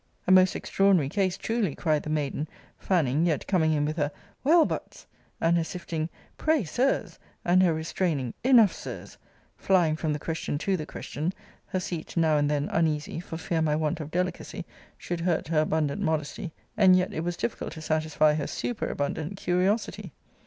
A most extraordinary case, truly, cried the maiden; fanning, yet coming in with her Well but's! and her sifting Pray, Sir's! and her restraining Enough, Sir's. flying from the question to the question her seat now and then uneasy, for fear my want of delicacy should hurt her abundant modesty; and yet it was difficult to satisfy her super abundant curiosity.